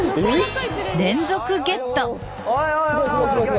おいおい！